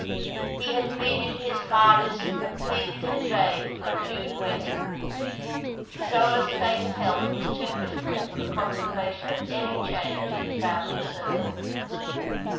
He had pleaded his hardest and pleaded in vain for a June wedding. Isola's state of health was too critical for the contemplation of any change in the family circle.